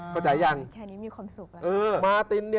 ว้าวแค่นี้มีความสุขแล้วนะครับอือ